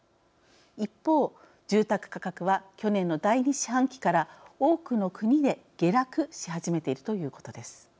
一方、住宅価格は去年の第２四半期から多くの国で下落しはじめているということです。